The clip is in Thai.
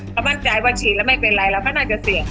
เขามั่นใจว่าฉีดแล้วไม่เป็นไรเราก็น่าจะเสี่ยง